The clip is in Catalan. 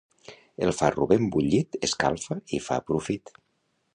El farro ben bullit escalfa i fa profit.